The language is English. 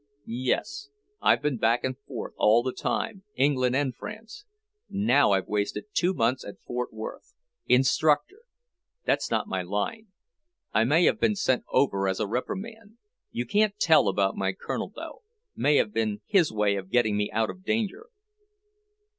"Yes. I've been back and forth all the time, England and France. Now I've wasted two months at Fort Worth. Instructor. That's not my line. I may have been sent over as a reprimand. You can't tell about my Colonel, though; may have been his way of getting me out of danger."